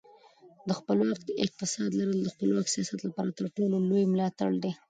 د خپلواک اقتصاد لرل د خپلواک سیاست لپاره تر ټولو لوی ملاتړ دی.